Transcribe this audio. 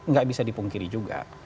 gak bisa dipungkiri juga